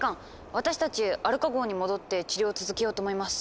私たちアルカ号に戻って治療を続けようと思います。